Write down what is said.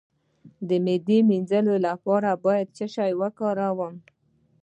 د معدې د مینځلو لپاره باید څه شی وکاروم؟